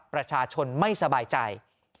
ประชาชนไม่สบายใจ